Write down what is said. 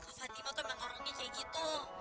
ke fatima tuh emang orangnya kayak gitu